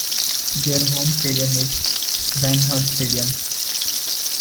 Their home stadium is Avanhard Stadium.